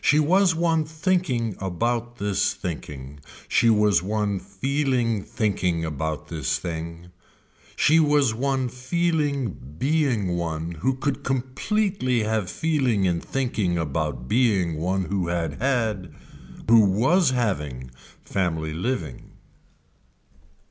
She was one thinking about this thinking, she was one feeling thinking about this thing, she was one feeling being one who could completely have feeling in thinking about being one who had had, who was having family living.